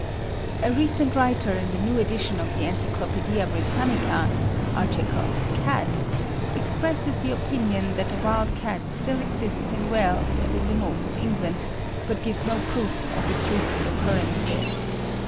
"A recent writer in the new edition of the 'Encyclopædia Britannica' (art. Cat) expresses the opinion that the wild cat still exists in Wales and in the north of England, but gives no proof of its recent occurrence there.